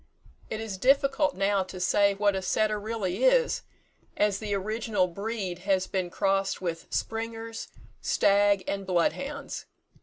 It is difficult now to say what a setter really is, as the original breed has been crossed with springers, stag and blood hounds.